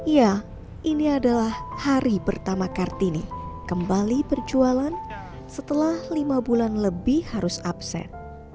ya ini adalah hari pertama kartini kembali berjualan setelah lima bulan lebih harus absen